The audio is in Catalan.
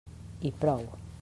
I prou!